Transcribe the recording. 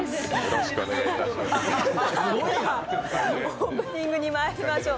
オープニングにまいりましょう。